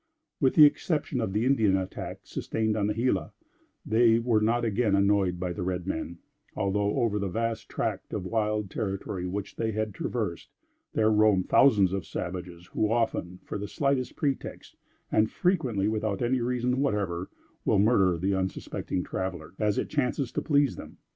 With the exception of the Indian attack sustained on the Gila, they were not again annoyed by the red men, although, over the vast tract of wild territory which they had traversed, there roam thousands of savages who often, for the slightest pretext, and frequently without any reason whatever, will murder the unsuspecting traveler, as it chances to please them.